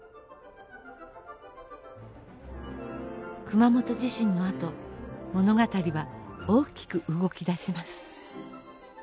熊本地震のあと物語は大きく動きだします。